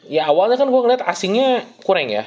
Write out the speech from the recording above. ya awalnya kan gue ngeliat asingnya kurang ya